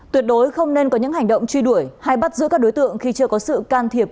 tuyệt đối không nên có những hành động truy đuổi hay bắt giữ các đối tượng khi chưa có sự can thiệp